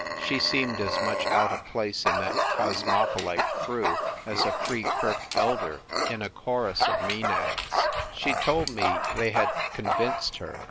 She seemed as much out of place in that cosmopolite crew as a Free Kirk elder in a chorus of Maenads. She told me they had "convinced" her.